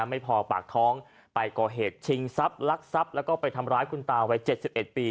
ไม่พอปากท้องไปก่อเหตุชิงทรัพย์ลักทรัพย์แล้วก็ไปทำร้ายคุณตาวัย๗๑ปี